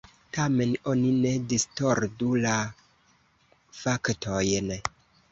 Tamen oni ne distordu la faktojn.